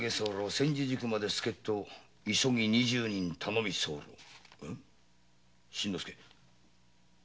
千住宿まで助っ人を急ぎ二十人頼み候」安！